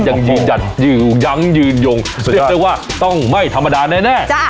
ยังยืนยันอยู่ยังยืนยงเรียกได้ว่าต้องไม่ธรรมดาแน่